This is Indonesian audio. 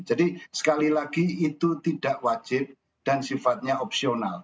jadi sekali lagi itu tidak wajib dan sifatnya opsional